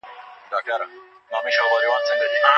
هغې ګړۍ ته وکتل چې څو بجې دي.